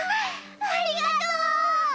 ありがとう！